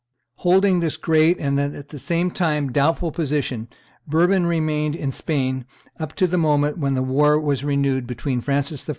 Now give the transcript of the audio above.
Holding this great and at the same time doubtful position, Bourbon remained in Spain up to the moment when the war was renewed between Francis I.